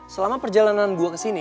selama perjalanan gue kesini